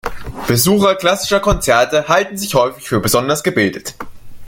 Besucher klassischer Konzerte halten sich häufig für besonders gebildet.